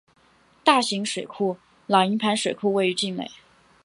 大型水库老营盘水库位于境内。